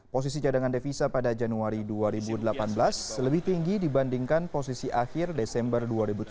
posisi cadangan devisa pada januari dua ribu delapan belas lebih tinggi dibandingkan posisi akhir desember dua ribu tujuh belas